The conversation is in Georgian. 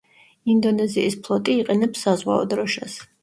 ინდონეზიის ფლოტი იყენებს საზღვაო დროშას.